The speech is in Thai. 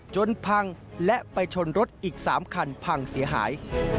จนพังและไปชนรถอีก๓คันพังเสียหาย